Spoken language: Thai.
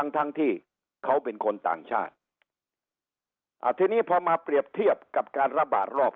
ทั้งทั้งที่เขาเป็นคนต่างชาติอ่าทีนี้พอมาเปรียบเทียบกับการระบาดรอบ